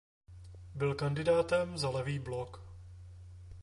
Byl kandidátem za Levý blok.